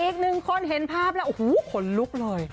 อีกหนึ่งคนเห็นภาพแล้วโอ้โหขนลุกเลย